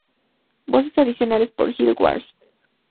Voces adicionales por Jill Walsh.